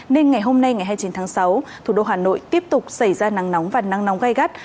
nên ngày hôm nay ngày hai mươi chín tháng sáu thủ đô hà nội tiếp tục xảy ra nắng nóng và nắng nóng gai gắt